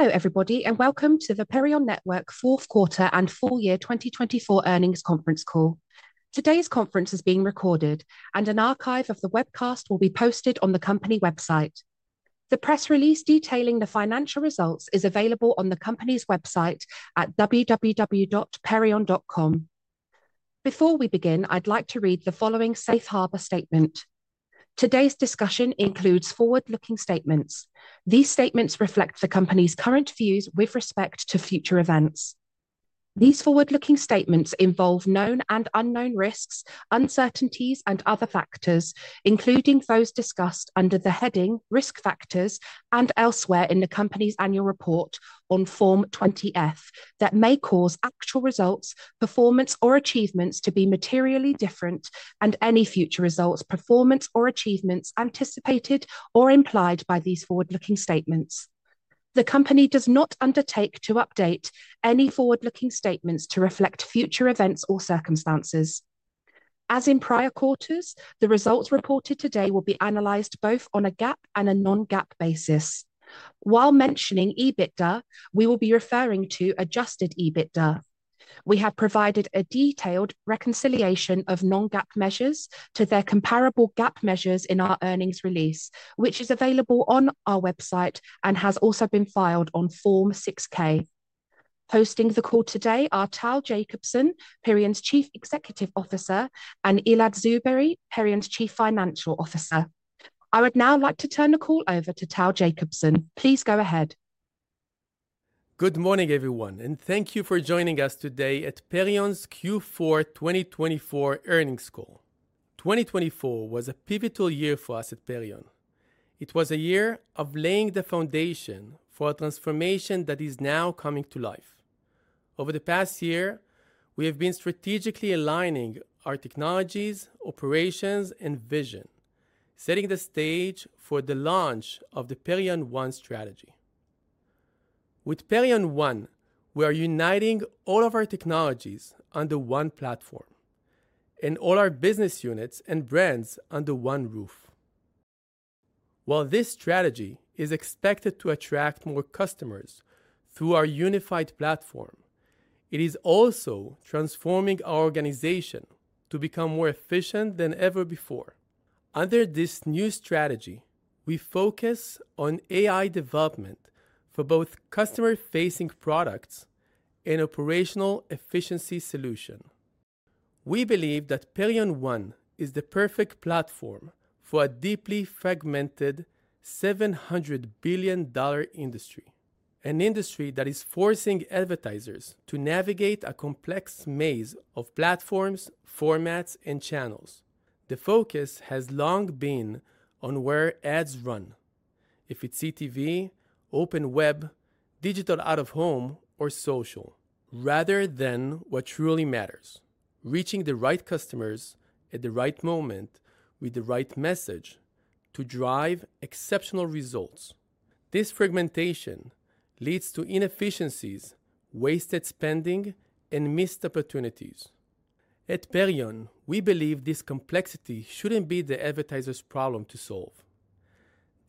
Hello, everybody, and welcome to the Perion Network Fourth Quarter and Full Year 2024 earnings conference call. Today's conference is being recorded, and an archive of the webcast will be posted on the company website. The press release detailing the financial results is available on the company's website at www.perion.com. Before we begin, I'd like to read the following Safe Harbor Statement. Today's discussion includes forward-looking statements. These statements reflect the company's current views with respect to future events. These forward-looking statements involve known and unknown risks, uncertainties, and other factors, including those discussed under the heading Risk Factors and elsewhere in the company's annual report on Form 20-F, that may cause actual results, performance, or achievements to be materially different from any future results, performance, or achievements anticipated or implied by these forward-looking statements. The company does not undertake to update any forward-looking statements to reflect future events or circumstances. As in prior quarters, the results reported today will be analyzed both on a GAAP and a non-GAAP basis. While mentioning EBITDA, we will be referring to Adjusted EBITDA. We have provided a detailed reconciliation of non-GAAP measures to their comparable GAAP measures in our earnings release, which is available on our website and has also been filed on Form 6-K. Hosting the call today are Tal Jacobson, Perion's Chief Executive Officer, and Elad Tzubery, Perion's Chief Financial Officer. I would now like to turn the call over to Tal Jacobson. Please go ahead. Good morning everyone, and thank you for joining us today at Perion's Q4 2024 Earnings Call. 2024 was a pivotal year for us at Perion. It was a year of laying the foundation for a transformation that is now coming to life. Over the past year, we have been strategically aligning our technologies, operations, and vision, setting the stage for the launch of the Perion One strategy. With Perion One, we are uniting all of our technologies under one platform and all our business units and brands under one roof. While this strategy is expected to attract more customers through our unified platform, it is also transforming our organization to become more efficient than ever before. Under this new strategy, we focus on AI development for both customer-facing products and operational efficiency solutions. We believe that Perion One is the perfect platform for a deeply fragmented $700 billion industry, an industry that is forcing advertisers to navigate a complex maze of platforms, formats, and channels. The focus has long been on where ads run, if it's CTV, Open Web, Digital Out-of-Home, or Social, rather than what truly matters: reaching the right customers at the right moment with the right message to drive exceptional results. This fragmentation leads to inefficiencies, wasted spending, and missed opportunities. At Perion, we believe this complexity shouldn't be the advertiser's problem to solve.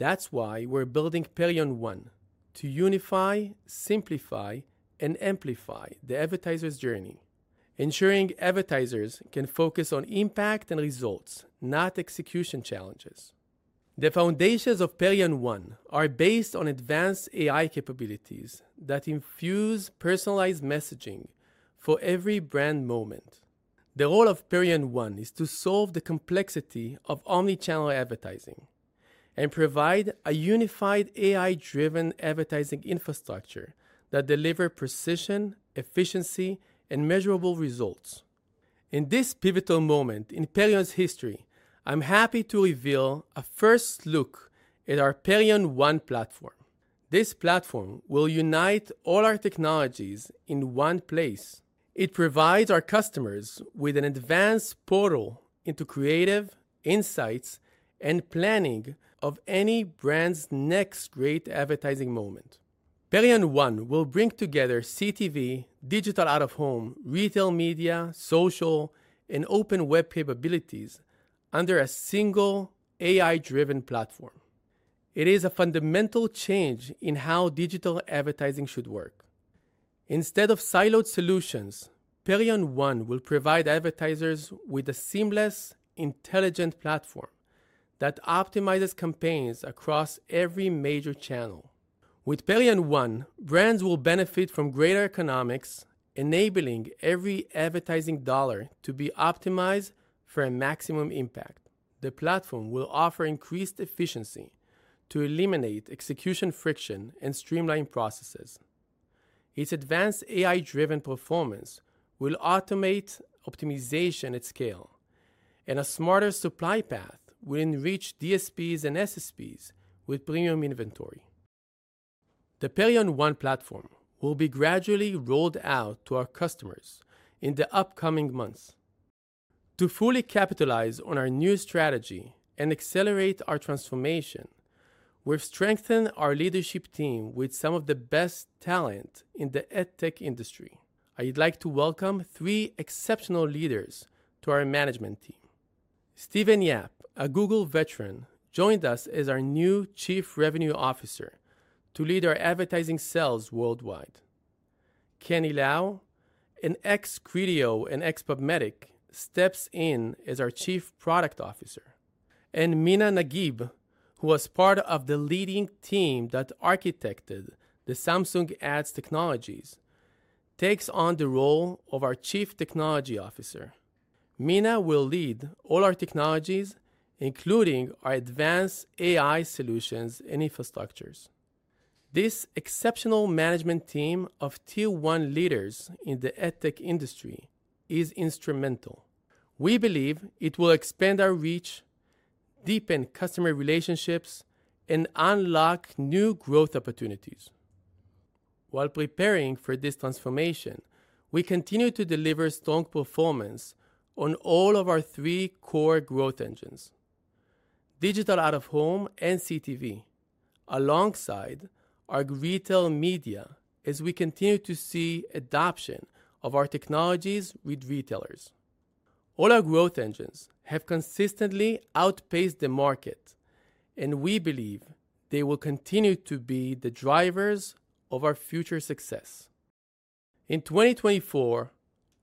That's why we're building Perion One to unify, simplify, and amplify the advertiser's journey, ensuring advertisers can focus on impact and results, not execution challenges. The foundations of Perion One are based on advanced AI capabilities that infuse personalized messaging for every brand moment. The role of Perion One is to solve the complexity of omnichannel advertising and provide a unified AI-driven advertising infrastructure that delivers precision, efficiency, and measurable results. In this pivotal moment in Perion's history, I'm happy to reveal a first look at our Perion One platform. This platform will unite all our technologies in one place. It provides our customers with an advanced portal into creative insights and planning of any brand's next great advertising moment. Perion One will bring together CTV, Digital Out-of-Home, Retail Media, Social, and Open Web capabilities under a single AI-driven platform. It is a fundamental change in how digital advertising should work. Instead of siloed solutions, Perion One will provide advertisers with a seamless, intelligent platform that optimizes campaigns across every major channel. With Perion One, brands will benefit from greater economics, enabling every advertising dollar to be optimized for a maximum impact. The platform will offer increased efficiency to eliminate execution friction and streamline processes. Its advanced AI-driven performance will automate optimization at scale, and a smarter supply path will enrich DSPs and SSPs with premium inventory. The Perion One platform will be gradually rolled out to our customers in the upcoming months. To fully capitalize on our new strategy and accelerate our transformation, we've strengthened our leadership team with some of the best talent in the adtech industry. I'd like to welcome three exceptional leaders to our management team. Stephen Yap, a Google veteran, joined us as our new Chief Revenue Officer to lead our advertising sales worldwide. Kenny Lau, an ex-Criteo and ex-PubMatic, steps in as our Chief Product Officer, and Mina Naguib, who was part of the leading team that architected the Samsung Ads technologies, takes on the role of our Chief Technology Officer. Mina will lead all our technologies, including our advanced AI solutions and infrastructures. This exceptional management team of Tier One leaders in the adtech industry is instrumental. We believe it will expand our reach, deepen customer relationships, and unlock new growth opportunities. While preparing for this transformation, we continue to deliver strong performance on all of our three core growth engines: Digital Out-of-Home and CTV, alongside our Retail Media, as we continue to see adoption of our technologies with retailers. All our growth engines have consistently outpaced the market, and we believe they will continue to be the drivers of our future success. In 2024,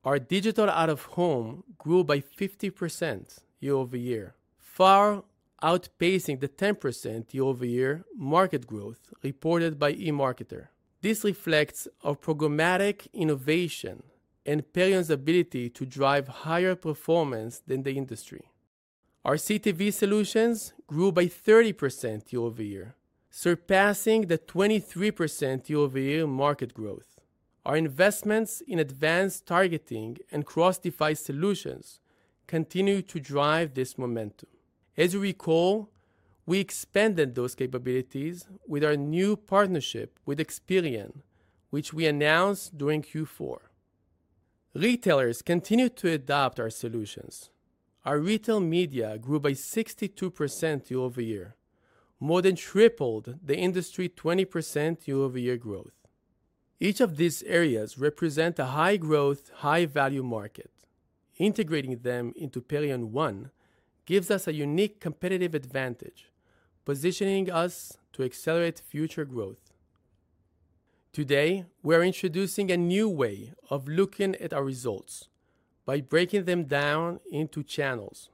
our Digital Out-of-Home grew by 50% year-over-year, far outpacing the 10% year-over-year market growth reported by eMarketer. This reflects our programmatic innovation and Perion's ability to drive higher performance than the industry. Our CTV solutions grew by 30% year-over-year, surpassing the 23% year-over-year market growth. Our investments in advanced targeting and cross-device solutions continue to drive this momentum. As you recall, we expanded those capabilities with our new partnership with Experian, which we announced during Q4. Retailers continue to adopt our solutions. Our retail media grew by 62% year-over-year, more than tripled the industry 20% year-over-year growth. Each of these areas represents a high-growth, high-value market. Integrating them into Perion One gives us a unique competitive advantage, positioning us to accelerate future growth. Today, we're introducing a new way of looking at our results by breaking them down into channels.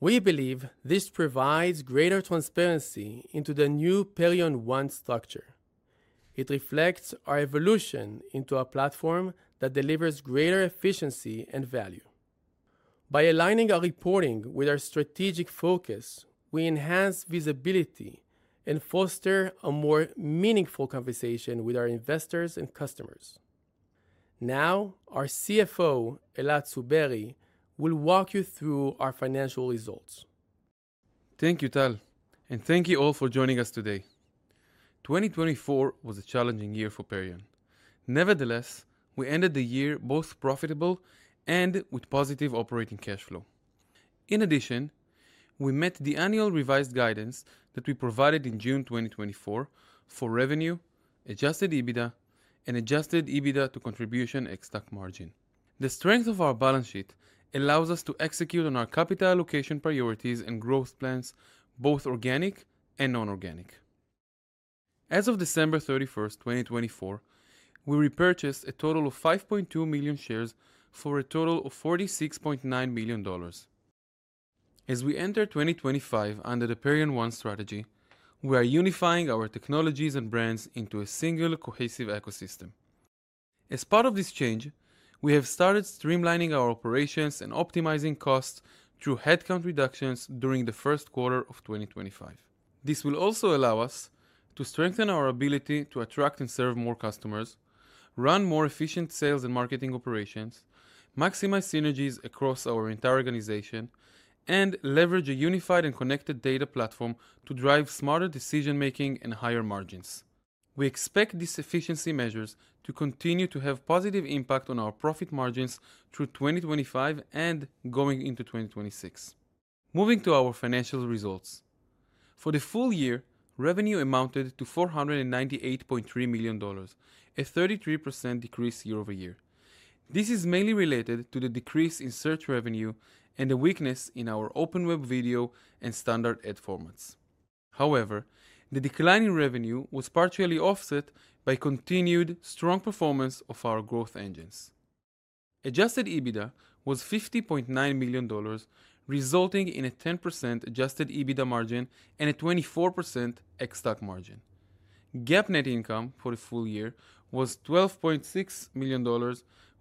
We believe this provides greater transparency into the new Perion One structure. It reflects our evolution into a platform that delivers greater efficiency and value. By aligning our reporting with our strategic focus, we enhance visibility and foster a more meaningful conversation with our investors and customers. Now, our CFO, Elad Tzubery, will walk you through our financial results. Thank you, Tal, and thank you all for joining us today. 2024 was a challenging year for Perion. Nevertheless, we ended the year both profitable and with positive operating cash flow. In addition, we met the annual revised guidance that we provided in June 2024 for revenue, Adjusted EBITDA, and Adjusted EBITDA to contribution ex-TAC margin. The strength of our balance sheet allows us to execute on our capital allocation priorities and growth plans, both organic and non-organic. As of December 31st, 2024, we repurchased a total of 5.2 million shares for a total of $46.9 million. As we enter 2025 under the Perion One strategy, we are unifying our technologies and brands into a single cohesive ecosystem. As part of this change, we have started streamlining our operations and optimizing costs through headcount reductions during the first quarter of 2025. This will also allow us to strengthen our ability to attract and serve more customers, run more efficient sales and marketing operations, maximize synergies across our entire organization, and leverage a unified and connected data platform to drive smarter decision-making and higher margins. We expect these efficiency measures to continue to have a positive impact on our profit margins through 2025 and going into 2026. Moving to our financial results. For the full year, revenue amounted to $498.3 million, a 33% decrease year-over-year. This is mainly related to the decrease in Search revenue and the weakness in our Open Web video and standard ad formats. However, the decline in revenue was partially offset by continued strong performance of our growth engines. Adjusted EBITDA was $50.9 million, resulting in a 10% Adjusted EBITDA margin and a 24% ex-TAC margin. GAAP net income for the full year was $12.6 million,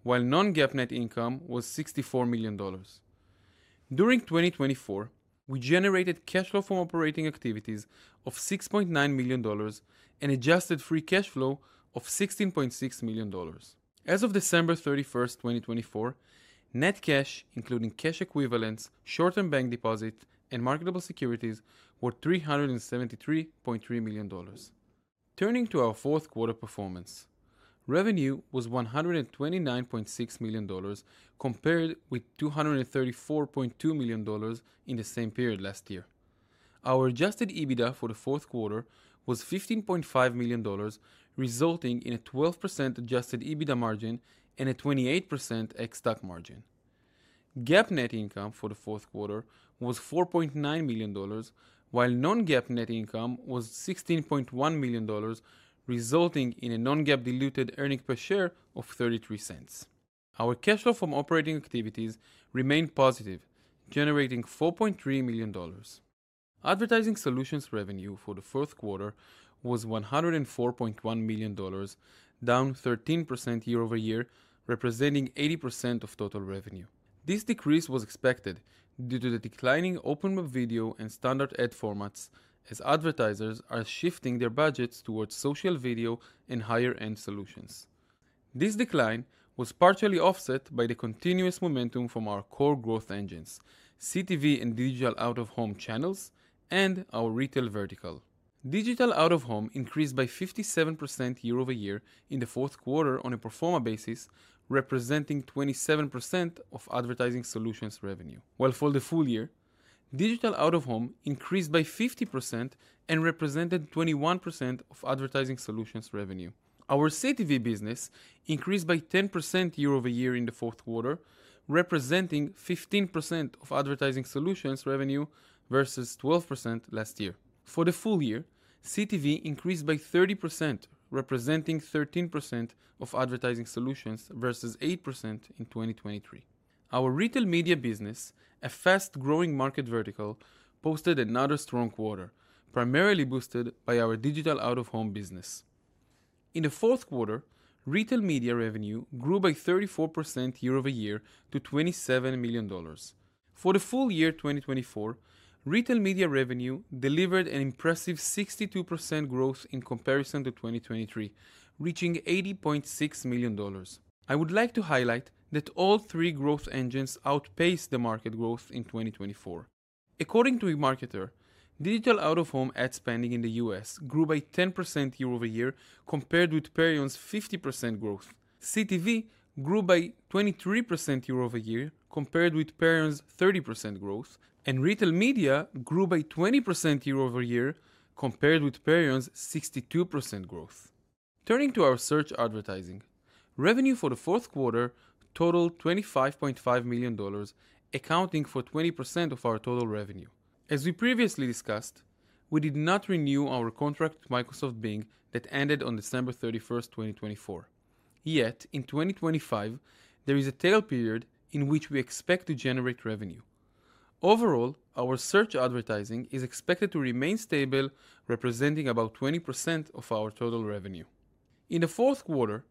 while non-GAAP net income was $64 million. During 2024, we generated cash flow from operating activities of $6.9 million and Adjusted Free Cash Flow of $16.6 million. As of December 31st, 2024, net cash, including cash equivalents, short-term bank deposits, and marketable securities, were $373.3 million. Turning to our fourth quarter performance, revenue was $129.6 million compared with $234.2 million in the same period last year. Our Adjusted EBITDA for the fourth quarter was $15.5 million, resulting in a 12% Adjusted EBITDA margin and a 28% ex-TAC margin. GAAP net income for the fourth quarter was $4.9 million, while non-GAAP net income was $16.1 million, resulting in a non-GAAP diluted earnings per share of $0.33. Our cash flow from operating activities remained positive, generating $4.3 million. Advertising solutions revenue for the fourth quarter was $104.1 million, down 13% year-over-year, representing 80% of total revenue. This decrease was expected due to the declining Open Web video and standard ad formats, as advertisers are shifting their budgets towards social video and higher-end solutions. This decline was partially offset by the continuous momentum from our core growth engines, CTV and Digital Out-of-Home channels, and our retail vertical. Digital Out-of-Home increased by 57% year over year in the fourth quarter on a pro forma basis, representing 27% of advertising solutions revenue. While for the full year, Digital Out-of-Home increased by 50% and represented 21% of advertising solutions revenue. Our CTV business increased by 10% year-over-year in the fourth quarter, representing 15% of advertising solutions revenue versus 12% last year. For the full year, CTV increased by 30%, representing 13% of advertising solutions versus 8% in 2023. Our retail media business, a fast-growing market vertical, posted another strong quarter, primarily boosted by our Digital Out-of-Home business. In the fourth quarter, retail media revenue grew by 34% year-over-year to $27 million. For the full year 2024, retail media revenue delivered an impressive 62% growth in comparison to 2023, reaching $80.6 million. I would like to highlight that all three growth engines outpaced the market growth in 2024. According to eMarketer, Digital Out-of-Home ad spending in the U.S. grew by 10% year-over-year compared with Perion's 50% growth. CTV grew by 23% year-over-year compared with Perion's 30% growth, and retail media grew by 20% year-over-year compared with Perion's 62% growth. Turning to our Search advertising, revenue for the fourth quarter totaled $25.5 million, accounting for 20% of our total revenue. As we previously discussed, we did not renew our contract with Microsoft Bing that ended on December 31st, 2024. Yet, in 2025, there is a tail period in which we expect to generate revenue. Overall, our Search advertising is expected to remain stable, representing about 20% of our total revenue. In the fourth quarter,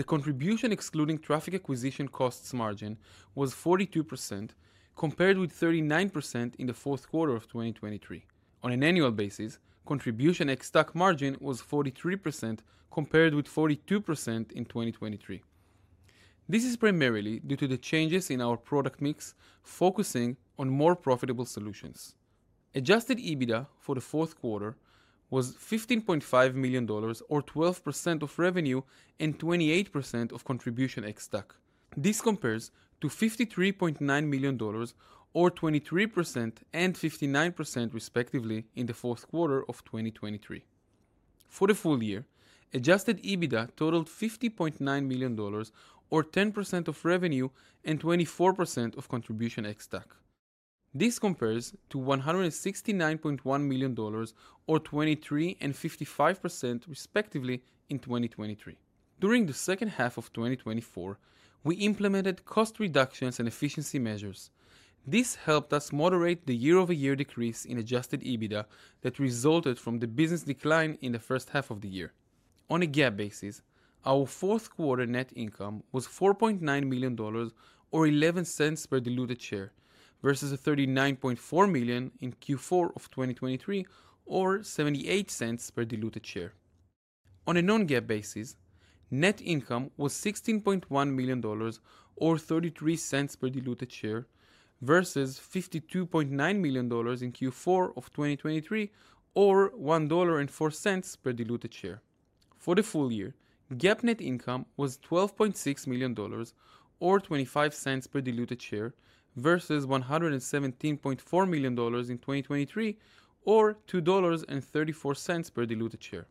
the contribution excluding traffic acquisition costs margin was 42%, compared with 39% in the fourth quarter of 2023. On an annual basis, contribution ex-TAC margin was 43%, compared with 42% in 2023. This is primarily due to the changes in our product mix, focusing on more profitable solutions. Adjusted EBITDA for the fourth quarter was $15.5 million, or 12% of revenue and 28% of contribution ex-TAC. This compares to $53.9 million, or 23% and 59% respectively in the fourth quarter of 2023. For the full year, Adjusted EBITDA totaled $50.9 million, or 10% of revenue and 24% of contribution ex-TAC. This compares to $169.1 million, or 23% and 55% respectively in 2023. During the second half of 2024, we implemented cost reductions and efficiency measures. This helped us moderate the year-over-year decrease in Adjusted EBITDA that resulted from the business decline in the first half of the year. On a GAAP basis, our fourth quarter net income was $4.9 million, or $0.11 per diluted share, versus $39.4 million in Q4 of 2023, or $0.78 per diluted share. On a non-GAAP basis, net income was $16.1 million, or $0.33 per diluted share, versus $52.9 million in Q4 of 2023, or $1.04 per diluted share. For the full year, GAAP net income was $12.6 million, or $0.25 per diluted share, versus $117.4 million in 2023, or $2.34 per diluted share.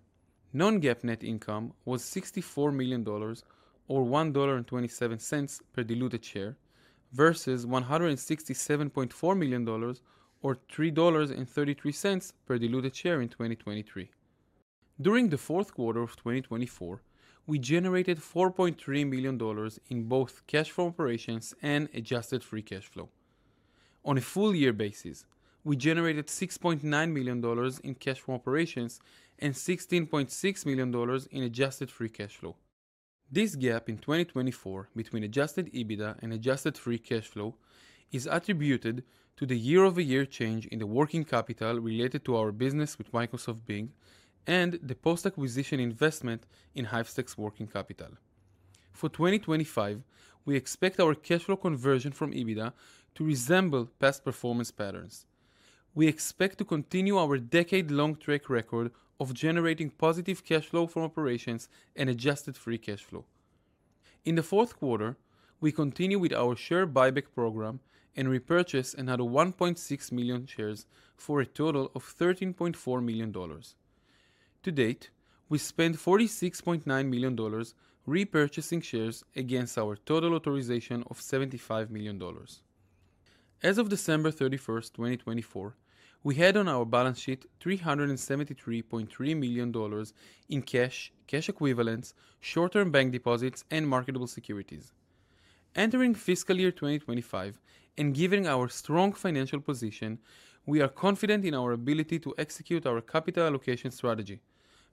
Non-GAAP net income was $64 million, or $1.27 per diluted share, versus $167.4 million, or $3.33 per diluted share in 2023. During the fourth quarter of 2024, we generated $4.3 million in both cash from operations and Adjusted Free Cash Flow. On a full year basis, we generated $6.9 million in cash from operations and $16.6 million in Adjusted Free Cash Flow. This GAAP in 2024 between Adjusted EBITDA and Adjusted Free Cash Flow is attributed to the year-over-year change in the working capital related to our business with Microsoft Bing and the post-acquisition investment in Hivestack working capital. For 2025, we expect our cash flow conversion from EBITDA to resemble past performance patterns. We expect to continue our decade-long track record of generating positive cash flow from operations and Adjusted Free Cash Flow. In the fourth quarter, we continue with our share buyback program and repurchase another 1.6 million shares for a total of $13.4 million. To date, we spent $46.9 million repurchasing shares against our total authorization of $75 million. As of December 31st, 2024, we had on our balance sheet $373.3 million in cash, cash equivalents, short-term bank deposits, and marketable securities. Entering fiscal year 2025 and given our strong financial position, we are confident in our ability to execute our capital allocation strategy,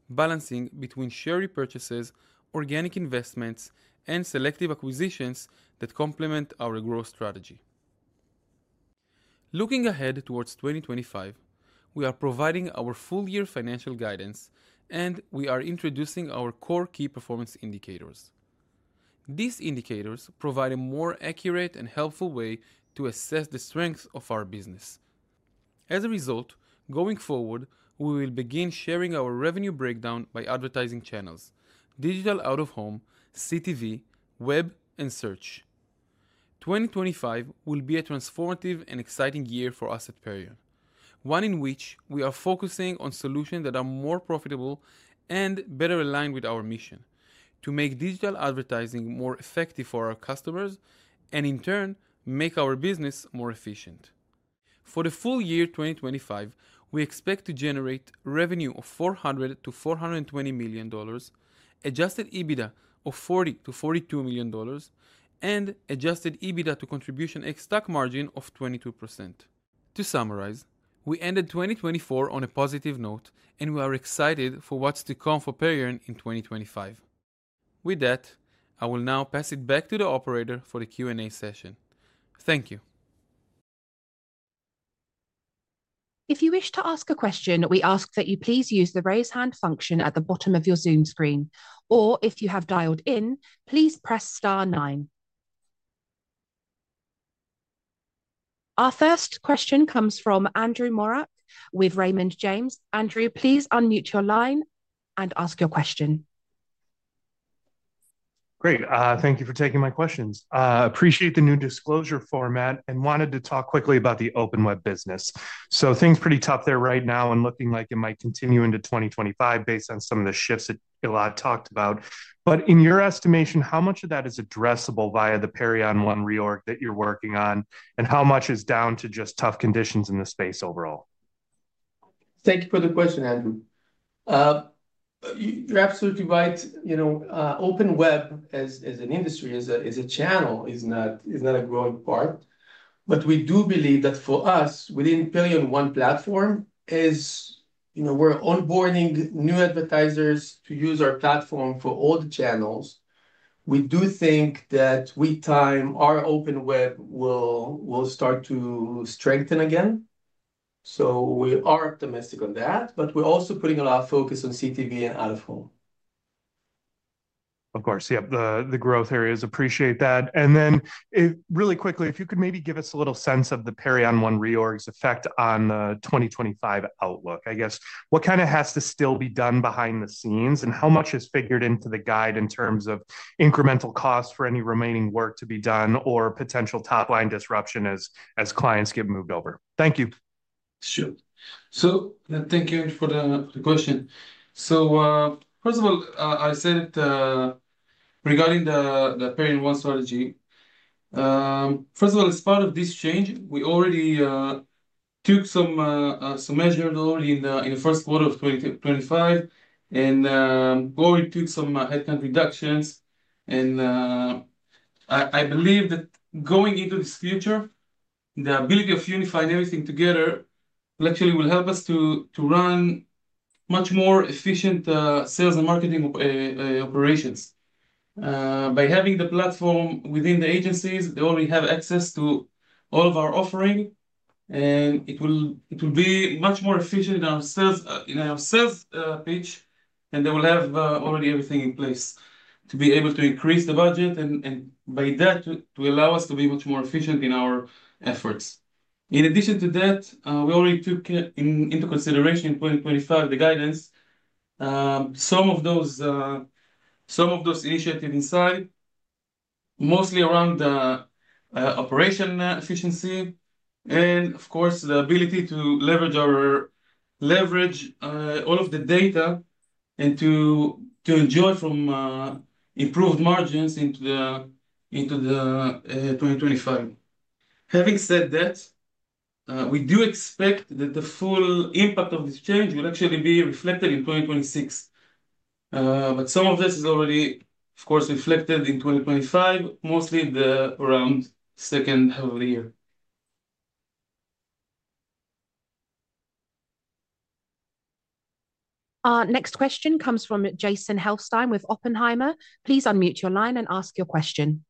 balancing between share repurchases, organic investments, and selective acquisitions that complement our growth strategy. Looking ahead toward 2025, we are providing our full-year financial guidance, and we are introducing our core key performance indicators. These indicators provide a more accurate and helpful way to assess the strength of our business. As a result, going forward, we will begin sharing our revenue breakdown by advertising channels: Digital Out-of-Home, CTV, Web, and Search. 2025 will be a transformative and exciting year for us at Perion, one in which we are focusing on solutions that are more profitable and better aligned with our mission to make digital advertising more effective for our customers and, in turn, make our business more efficient. For the full year 2025, we expect to generate revenue of $400 million-$420 million, Adjusted EBITDA of $40 million-$42 million, and Adjusted EBITDA to contribution ex-TAC margin of 22%. To summarize, we ended 2024 on a positive note, and we are excited for what's to come for Perion in 2025. With that, I will now pass it back to the operator for the Q&A session. Thank you. If you wish to ask a question, we ask that you please use the raise hand function at the bottom of your Zoom screen, or if you have dialed in, please press star nine. Our first question comes from Andrew Marok with Raymond James. Andrew, please unmute your line and ask your question. Great. Thank you for taking my questions. Appreciate the new disclosure format and wanted to talk quickly about the Open Web business. So things pretty tough there right now and looking like it might continue into 2025 based on some of the shifts that Elad talked about. But in your estimation, how much of that is addressable via the Perion One reorg that you're working on, and how much is down to just tough conditions in the space overall? Thank you for the question, Andrew. You're absolutely right. You know, Open Web as an industry, as a channel, is not a growing part. But we do believe that for us, within Perion One platform, we're onboarding new advertisers to use our platform for all the channels. We do think that with time, our Open Web will start to strengthen again. So we are optimistic on that, but we're also putting a lot of focus on CTV and Out-of-Home. Of course, yep, the growth areas. Appreciate that. And then, really quickly, if you could maybe give us a little sense of the Perion One Reorg's effect on the 2025 outlook, I guess. What kind of has to still be done behind the scenes, and how much is figured into the guide in terms of incremental costs for any remaining work to be done or potential top-line disruption as clients get moved over? Thank you. Sure. So thank you for the question. So first of all, I said regarding the Perion One strategy, first of all, as part of this change, we already took some measures already in the first quarter of 2025, and we already took some headcount reductions. And I believe that going into this future, the ability of unifying everything together will actually help us to run much more efficient sales and marketing operations. By having the platform within the agencies, they already have access to all of our offering, and it will be much more efficient in our sales pitch, and they will have already everything in place to be able to increase the budget and by that to allow us to be much more efficient in our efforts. In addition to that, we already took into consideration in 2025 the guidance, some of those initiatives inside, mostly around operation efficiency, and of course, the ability to leverage all of the data and to enjoy from improved margins into the 2025. Having said that, we do expect that the full impact of this change will actually be reflected in 2026. But some of this is already, of course, reflected in 2025, mostly around the second half of the year. Next question comes from Jason Helfstein with Oppenheimer. Please unmute your line and ask your question.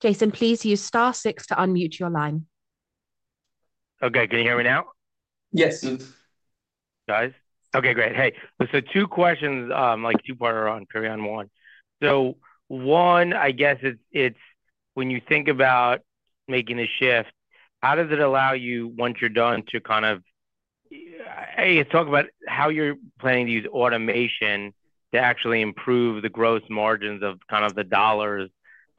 Jason, please use star six to unmute your line. Okay, can you hear me now? Yes. Guys. Okay, great. Hey, so two questions, like two-parter on Perion One. So one, I guess it's when you think about making the shift, how does it allow you, once you're done, to kind of talk about how you're planning to use automation to actually improve the gross margins of kind of the dollars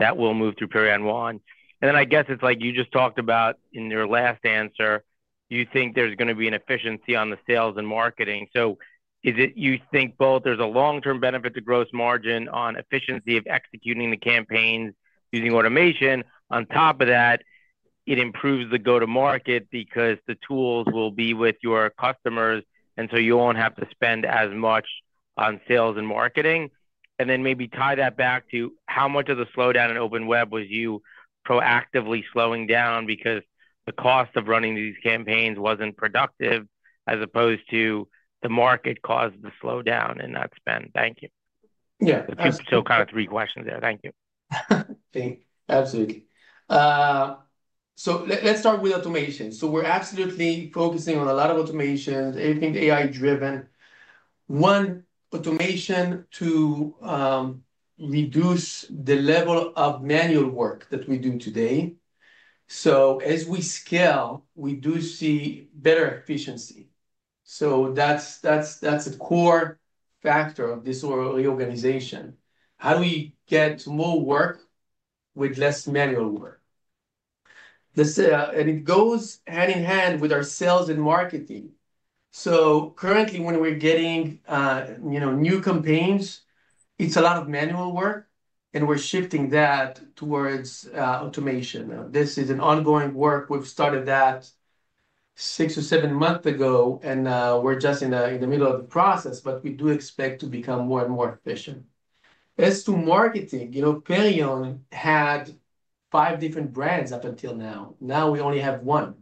that will move through Perion One? And then I guess it's like you just talked about in your last answer, you think there's going to be an efficiency on the sales and marketing. So you think both there's a long-term benefit to gross margin on efficiency of executing the campaigns using automation. On top of that, it improves the go-to-market because the tools will be with your customers, and so you won't have to spend as much on sales and marketing. And then maybe tie that back to how much of the slowdown in Open Web was you proactively slowing down because the cost of running these campaigns wasn't productive as opposed to the market caused the slowdown and that spend? Thank you. Yeah, so kind of three questions there. Thank you. Thank you. Absolutely. So let's start with automation. So we're absolutely focusing on a lot of automation, everything AI-driven. One, automation to reduce the level of manual work that we do today. So as we scale, we do see better efficiency. So that's a core factor of this reorganization. How do we get more work with less manual work? And it goes hand in hand with our sales and marketing. So currently, when we're getting new campaigns, it's a lot of manual work, and we're shifting that towards automation. This is an ongoing work. We've started that six or seven months ago, and we're just in the middle of the process, but we do expect to become more and more efficient. As to marketing, Perion had five different brands up until now. Now we only have one.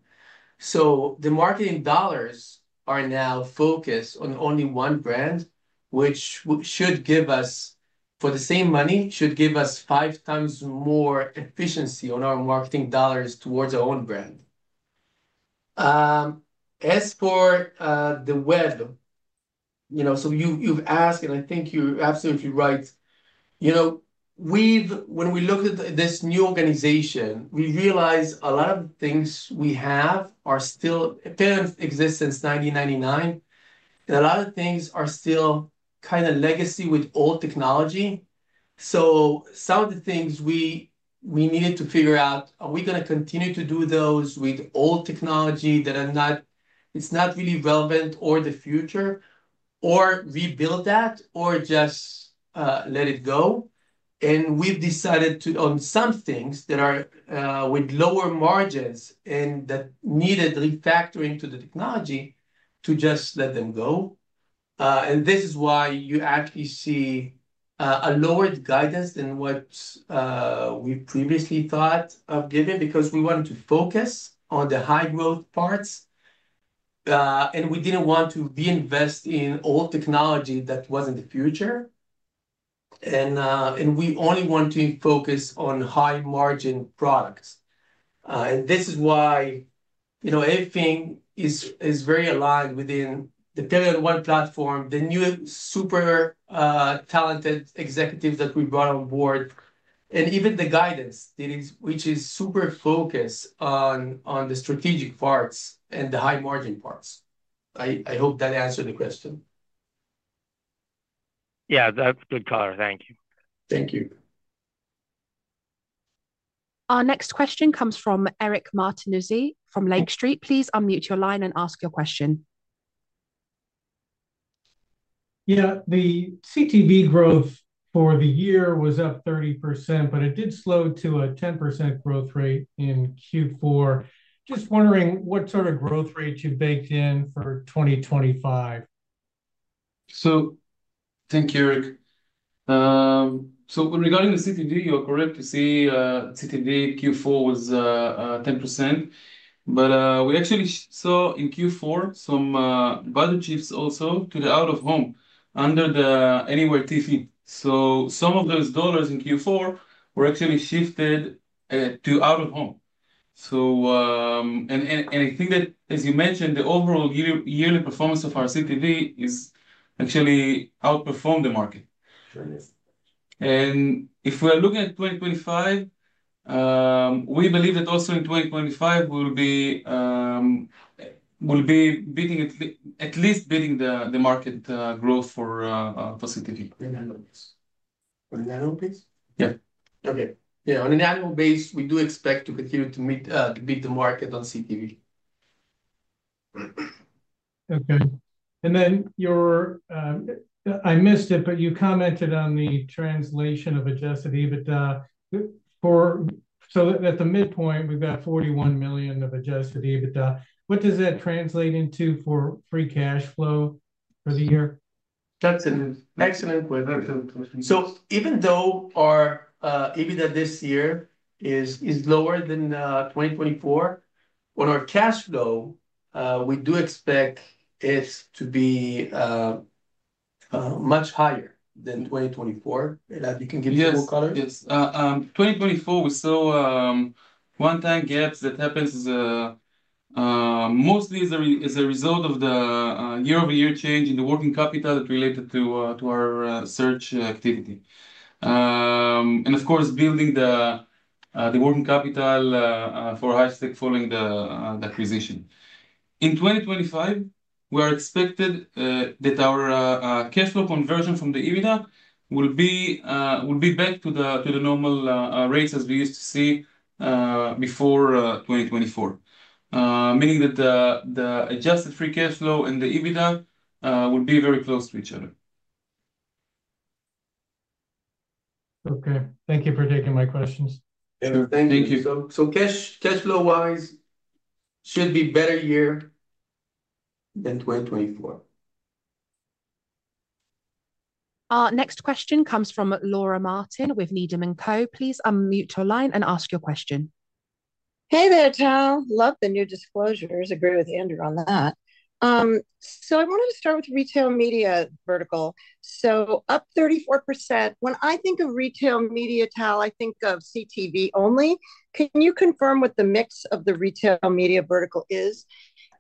So the marketing dollars are now focused on only one brand, which should give us, for the same money, should give us five times more efficiency on our marketing dollars towards our own brand. As for the Web, so you've asked, and I think you're absolutely right. When we looked at this new organization, we realized a lot of the things we have are still, Perion exists since 1999, and a lot of things are still kind of legacy with old technology. So some of the things we needed to figure out, are we going to continue to do those with old technology that are not, it's not really relevant or the future, or rebuild that, or just let it go? And we've decided on some things that are with lower margins and that needed refactoring to the technology to just let them go. And this is why you actually see a lowered guidance than what we previously thought of giving because we wanted to focus on the high-growth parts, and we didn't want to reinvest in old technology that wasn't the future. And we only want to focus on high-margin products. And this is why everything is very aligned within the Perion One platform, the new super talented executives that we brought on board, and even the guidance, which is super focused on the strategic parts and the high-margin parts. I hope that answered the question. Yeah, that's good color. Thank you. Thank you. Our next question comes from Eric Martinuzzi from Lake Street. Please unmute your line and ask your question. Yeah, the CTV growth for the year was up 30%, but it did slow to a 10% growth rate in Q4. Just wondering what sort of growth rate you baked in for 2025. So thank you, Eric. So regarding the CTV, you're correct to see CTV Q4 was 10%, but we actually saw in Q4 some budget shifts also to the Out-of-Home under the Anywhere TV. So some of those dollars in Q4 were actually shifted to Out-of-Home. And I think that, as you mentioned, the overall yearly performance of our CTV is actually outperformed the market. If we are looking at 2025, we believe that also in 2025, we'll be beating at least the market growth for CTV. On an annual basis? Yeah. Okay. Yeah. On an annual basis, we do expect to continue to beat the market on CTV. Okay. And then, you're, I missed it, but you commented on the translation of Adjusted EBITDA. So at the midpoint, we've got $41 million of Adjusted EBITDA. What does that translate into for free cash flow for the year? That's an excellent question. So even though our EBITDA this year is lower than 2024, our cash flow, we do expect it to be much higher than 2024. You can give us more color. Yes. 2024, we saw one-time gaps that happened mostly as a result of the year-over-year change in the working capital that related to our search activity. Of course, building the working capital for high stakes following the acquisition. In 2025, we expect that our cash flow conversion from the EBITDA will be back to the normal rates as we used to see before 2024, meaning that the Adjusted Free Cash Flow and the EBITDA will be very close to each other. Okay. Thank you for taking my questions. Thank you. Cash flow-wise, should be a better year than 2024. Next question comes from Laura Martin with Needham & Company. Please unmute your line and ask your question. Hey there, Tal. Love the new disclosures. Agree with Andrew on that. I wanted to start with Retail Media vertical. Up 34%. When I think of Retail Media, Tal, I think of CTV only. Can you confirm what the mix of the Retail Media vertical is?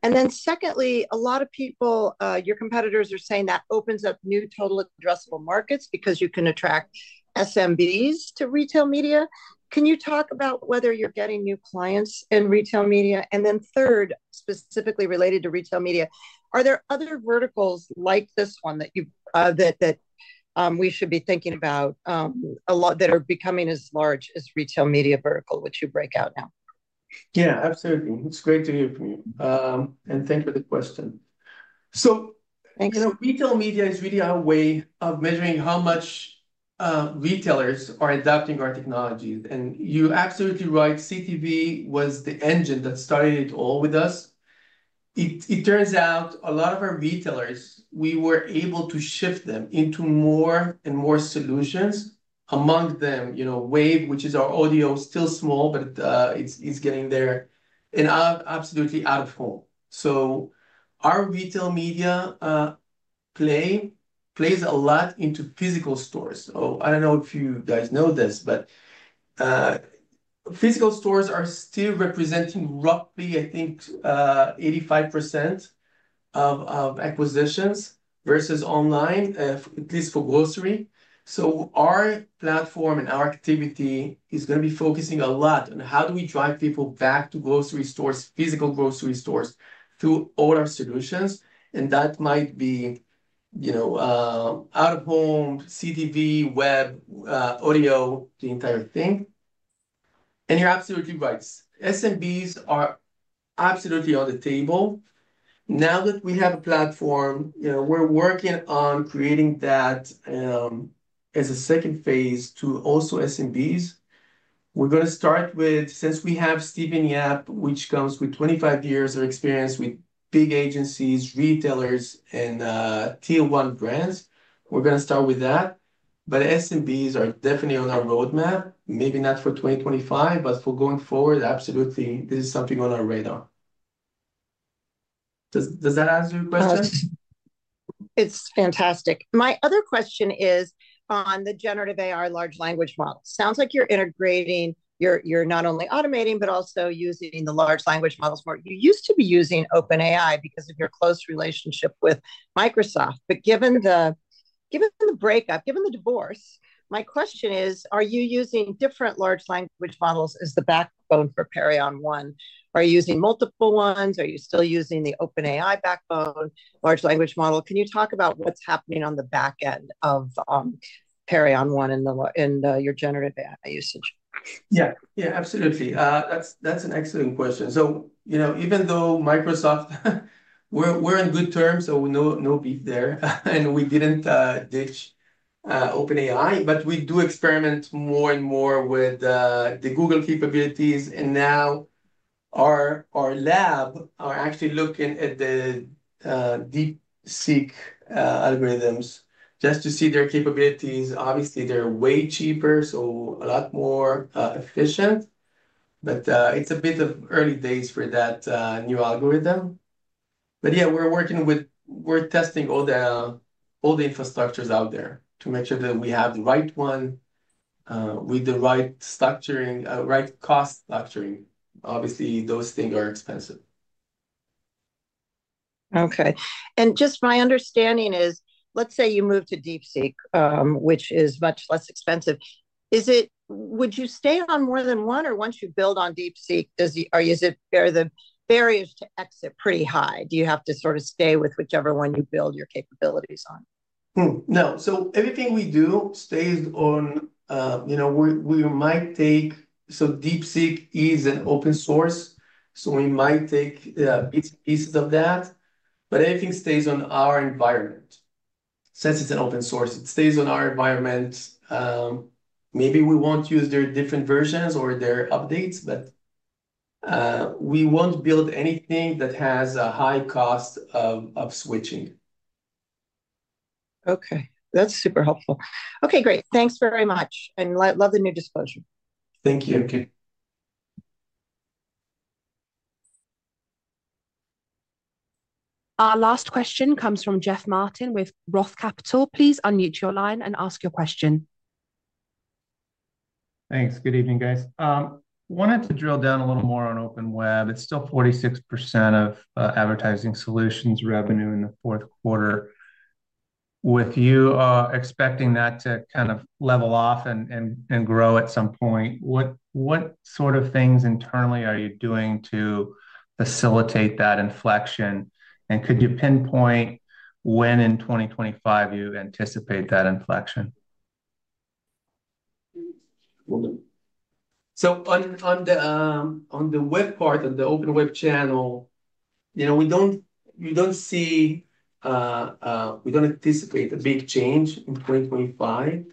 And then secondly, a lot of people, your competitors are saying that opens up new total addressable markets because you can attract SMBs to Retail Media. Can you talk about whether you're getting new clients in Retail Media? And then third, specifically related to Retail Media, are there other verticals like this one that we should be thinking about a lot that are becoming as large as Retail Media vertical, which you break out now? Yeah, absolutely. It's great to hear from you. And thank you for the question. So Retail Media is really our way of measuring how much retailers are adopting our technology. And you're absolutely right. CTV was the engine that started it all with us. It turns out a lot of our retailers, we were able to shift them into more and more solutions, among them WAVE, which is our audio, still small, but it's getting there, and absolutely Out-of-Home. Our Retail Media plays a lot into physical stores. I don't know if you guys know this, but physical stores are still representing roughly, I think, 85% of acquisitions versus online, at least for grocery. Our platform and our activity is going to be focusing a lot on how do we drive people back to grocery stores, physical grocery stores through all our solutions. That might be Out-of-Home, CTV, Web, Audio, the entire thing. You're absolutely right. SMBs are absolutely on the table. Now that we have a platform, we're working on creating that as a second phase to also SMBs. We're going to start with, since we have Stephen Yap, which comes with 25 years of experience with big agencies, retailers, and tier-one brands, we're going to start with that. But SMBs are definitely on our roadmap, maybe not for 2025, but for going forward, absolutely, this is something on our radar. Does that answer your question? It's fantastic. My other question is on the generative AI large language model. Sounds like you're integrating, you're not only automating, but also using the large language models more. You used to be using OpenAI because of your close relationship with Microsoft. But given the breakup, given the divorce, my question is, are you using different large language models as the backbone for Perion One? Are you using multiple ones? Are you still using the OpenAI backbone large language model? Can you talk about what's happening on the back end of Perion One and your generative AI usage? Yeah, yeah, absolutely. That's an excellent question. So even though Microsoft, we're in good terms, so no beef there, and we didn't ditch OpenAI, but we do experiment more and more with the Google capabilities. And now our lab, we're actually looking at the DeepSeek algorithms just to see their capabilities. Obviously, they're way cheaper, so a lot more efficient. But it's a bit of early days for that new algorithm. But yeah, we're working with, we're testing all the infrastructures out there to make sure that we have the right one with the right cost structuring. Obviously, those things are expensive. Okay. And just my understanding is, let's say you move to DeepSeek, which is much less expensive. Would you stay on more than one, or once you build on DeepSeek, are the barriers to exit pretty high? Do you have to sort of stay with whichever one you build your capabilities on? No. So everything we do stays on, we might take, so DeepSeek is an open source, so we might take pieces of that. But everything stays on our environment. Since it's an open source, it stays on our environment. Maybe we won't use their different versions or their updates, but we won't build anything that has a high cost of switching. Okay. That's super helpful. Okay, great. Thanks very much. And love the new disclosure. Thank you. Our last question comes from Jeff Martin with Roth Capital. Please unmute your line and ask your question. Thanks. Good evening, guys. Wanted to drill down a little more on Open Web. It's still 46% of advertising solutions revenue in the fourth quarter. With you expecting that to kind of level off and grow at some point, what sort of things internally are you doing to facilitate that inflection? And could you pinpoint when in 2025 you anticipate that inflection? So on the web part of the Open Web channel, we don't see, we don't anticipate a big change in 2025.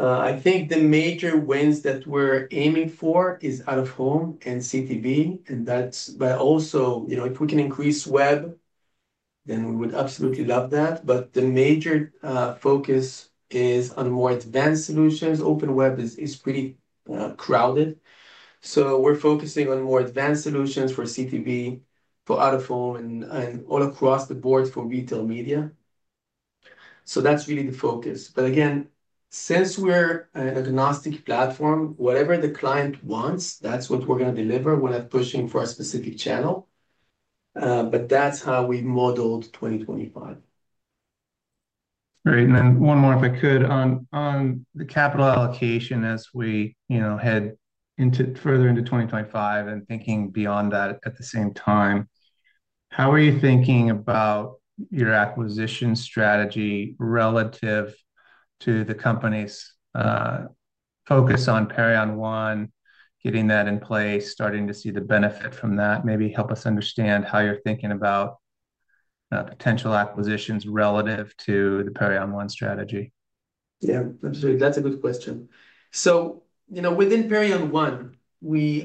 I think the major wins that we're aiming for is Out-of-Home and CTV. But also, if we can increase web, then we would absolutely love that. But the major focus is on more advanced solutions. Open Web is pretty crowded. So we're focusing on more advanced solutions for CTV, for Out-of-Home, and all across the board for Retail Media. So that's really the focus. But again, since we're an agnostic platform, whatever the client wants, that's what we're going to deliver. We're not pushing for a specific channel. But that's how we modeled 2025. All right. And then one more, if I could, on the capital allocation as we head further into 2025 and thinking beyond that at the same time, how are you thinking about your acquisition strategy relative to the company's focus on Perion One, getting that in place, starting to see the benefit from that, maybe help us understand how you're thinking about potential acquisitions relative to the Perion One strategy? Yeah, absolutely. That's a good question. So within Perion One,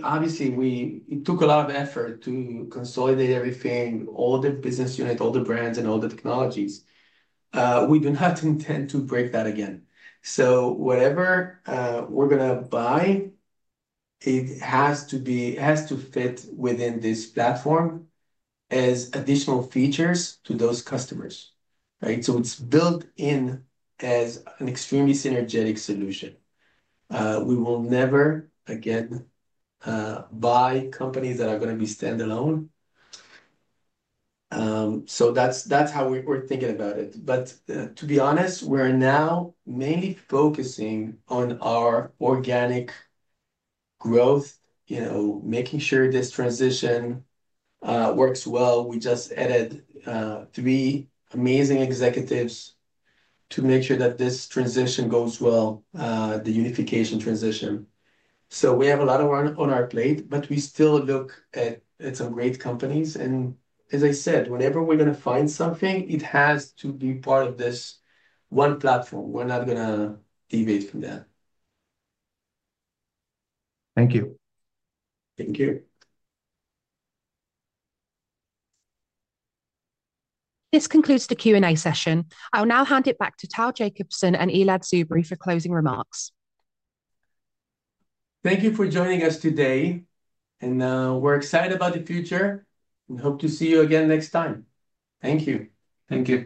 obviously, it took a lot of effort to consolidate everything, all the business units, all the brands, and all the technologies. We do not intend to break that again. Whatever we're going to buy, it has to fit within this platform as additional features to those customers. It's built in as an extremely synergetic solution. We will never again buy companies that are going to be standalone. That's how we're thinking about it. To be honest, we're now mainly focusing on our organic growth, making sure this transition works well. We just added three amazing executives to make sure that this transition goes well, the unification transition. We have a lot on our plate, but we still look at some great companies. As I said, whenever we're going to find something, it has to be part of this one platform. We're not going to deviate from that. Thank you. Thank you. This concludes the Q&A session. I'll now hand it back to Tal Jacobson and Elad Tzubery for closing remarks. Thank you for joining us today, and we're excited about the future and hope to see you again next time. Thank you. Thank you.